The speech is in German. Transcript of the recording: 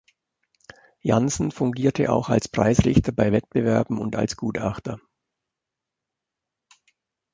Jansen fungierte auch als Preisrichter bei Wettbewerben und als Gutachter.